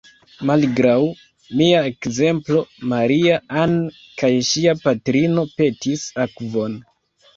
Malgraŭ mia ekzemplo, Maria-Ann kaj ŝia patrino petis akvon.